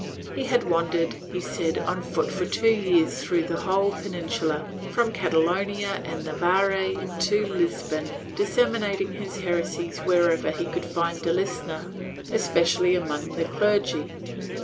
He had wandered, he said, on foot for two years through the whole Peninsula, from Catalonia and Navarre to Lisbon, disseminating his heresies wherever he could find a listener, especially among the clergy.